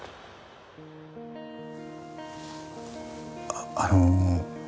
あっあの。